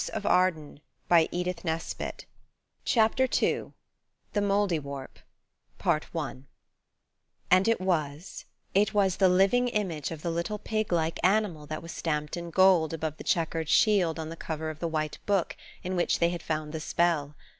"Why," said Elfrida stooping, "why, it's–" CHAPTER II THE MOULDIWARP AND it was–it was the living image of the little pig like animal that was stamped in gold above the chequered shield on the cover of the white book in which they had found the spell.